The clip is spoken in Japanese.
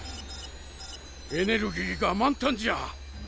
エネルギーが満タンじゃ。